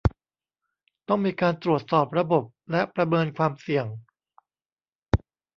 ต้องมีการตรวจสอบระบบ และประเมินความเสี่ยง